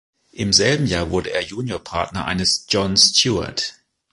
Im selben Jahr wurde er Juniorpartner eines "John Steward".